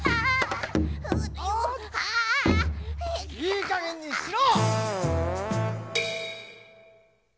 いいかげんにしろ！